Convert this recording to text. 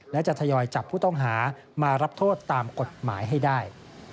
และจะทยอยจับผู้ต้องหามารับโทษตามกฎหมายให้ได้